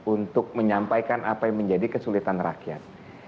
untuk menyampaikan apa yang menjadi kesulitan rakyat